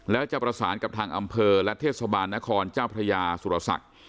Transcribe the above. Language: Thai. แล้วจะประสานกับทางอำเภอและเทศบาลนครเจ้าพระยาสุรศักดิ์